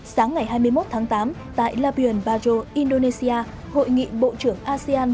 sáng ngày hai mươi một tháng tám tại labuan bajo indonesia hội nghị bộ trưởng asean